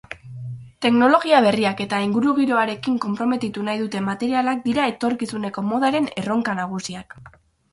Teknologia berriak eta ingurugiroarekin konprometitu nahi duten materialak dira etorkizuneko modaren erronka nagusiak.